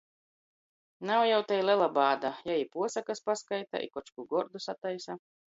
Nav jau tei lela bāda – jei i puosokys paskaita, i koč kū gordu sataisa.